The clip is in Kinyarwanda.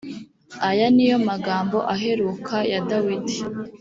aya ni yo magambo aheruka ya dawidi